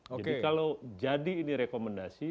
jadi kalau jadi ini rekomendasi